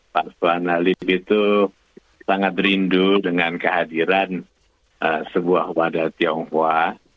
pak sulana lib itu sangat rindu dengan kehadiran sebuah wadah tionghoa